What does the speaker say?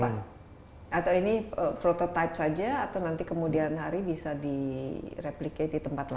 ini prototipe saja atau nanti kemudian hari bisa direplikasi di tempat lain